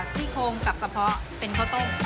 ซี่โครงกับกระเพาะเป็นข้าวต้ม